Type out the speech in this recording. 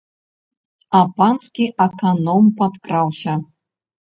А панскі аконам падкраўся.